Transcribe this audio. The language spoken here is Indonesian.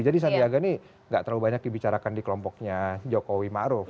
jadi sandiaga ini nggak terlalu banyak dibicarakan di kelompoknya jokowi maruf